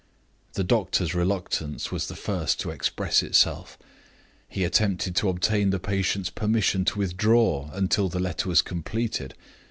The doctor's reluctance was the first to express itself. He attempted to obtain the patient's permission to withdraw until the letter was completed.